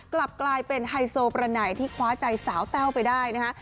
กลับกลายเป็นไฮโซประไหนที่คว้าใจสาวแต้วไปได้นะฮะ